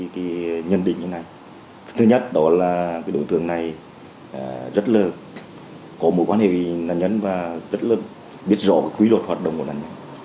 thứ nhất đó là cái đội thương này rất lớn có mối quan hệ với nạn nhân và rất lớn biết rõ quy luật hoạt động của nạn nhân